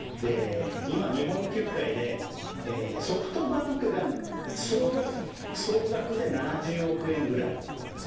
今、日本球界でソフトバンクが総額で７０億円ぐらい。